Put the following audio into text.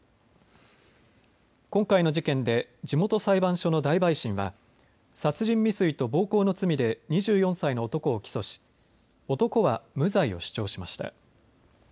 今回の事件で地元裁判所の大陪審は殺人未遂と暴行の罪で２４歳の男を起訴し男は無罪を主張しました。